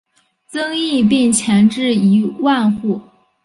增邑并前至一万户。